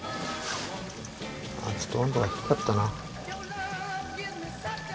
ちょっと温度が低かったな。